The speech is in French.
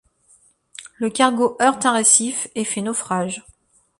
Le cargo heurte un récif et fait naufrage.